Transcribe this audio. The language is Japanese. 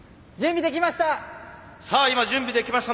準備できました！